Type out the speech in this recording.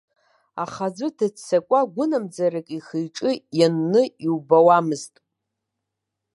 Аха аӡәгьы дыццакуа, гәынамӡарак ихы-иҿы ианны иубауамызт.